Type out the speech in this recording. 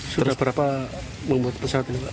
sudah berapa membuat pesawat ini pak